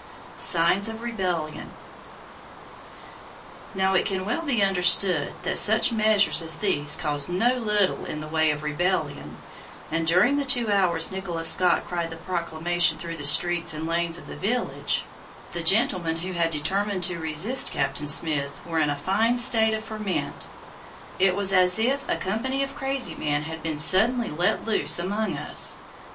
SIGNS OF REBELLION Now it can well be understood that such measures as these caused no little in the way of rebellion, and during the two hours Nicholas Skot cried the proclamation through the streets and lanes of the village, the gentlemen who had determined to resist Captain Smith were in a fine state of ferment. It was as if a company of crazy men had been suddenly let loose among us.